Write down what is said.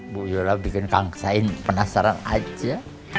bu yola bikin kangsain penasaran aja